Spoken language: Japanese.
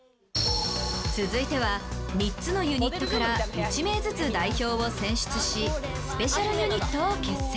続いては３つのユニットから１名ずつ代表を選出しスペシャルユニットを結成。